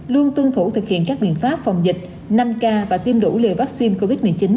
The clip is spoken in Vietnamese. luôn tuân thủ thực hiện các biện pháp phòng dịch năm k và tiêm đủ liều vaccine covid một mươi chín